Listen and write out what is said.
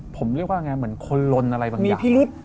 ผมเรียกว่าคนลนอะไรบางอย่าง